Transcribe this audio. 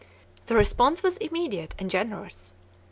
The response was immediate and generous.